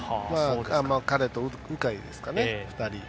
彼と鵜飼ですかね、２人。